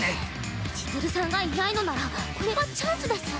千鶴さんがいないのならこれはチャンスです。